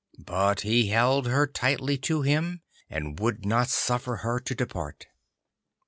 But he held her tightly to him, and would not suffer her to depart.